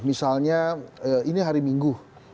misalnya ini hari minggu